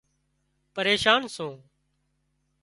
پريشان سُون